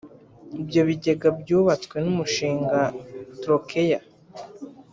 Ibyo bigega byubatswe n’umushinga Trocaire